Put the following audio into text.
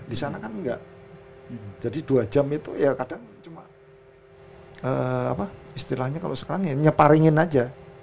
di sana kan gak jadi dua jam itu ya kadang cuma apa istilahnya kalau sekarang ya nyeparingin aja